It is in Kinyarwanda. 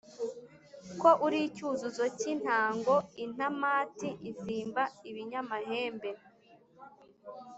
Ko uri icyuzuzo cy intangoIntamati izimba ibinyamahembe,